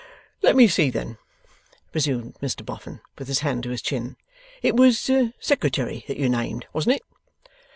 'Let me see then,' resumed Mr Boffin, with his hand to his chin. 'It was Secretary that you named; wasn't it?